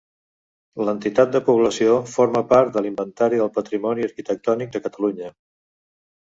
L'entitat de població forma part de l'Inventari del Patrimoni Arquitectònic de Catalunya.